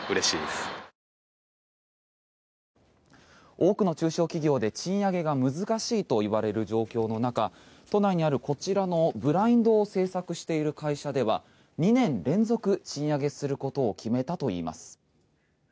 多くの中小企業で賃上げが難しいといわれる状況の中都内にあるこちらのブラインドを製作している会社では２年連続、賃上げすることを決めたといいます。